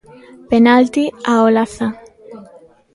Penalti a Olaza.